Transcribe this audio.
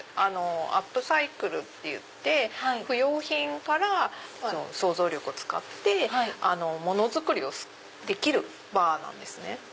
アップサイクルっていって不用品から想像力を使って物作りをできるバーなんです。